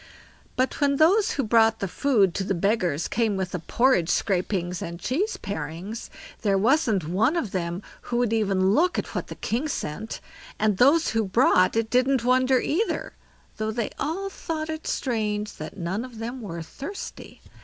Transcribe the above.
But when those who brought the food to the beggars came with the porridge scrapings and cheese parings, there wasn't one of them who would even look at what the king sent, and those who brought it didn't wonder either; though they all thought it strange that none of them were thirsty.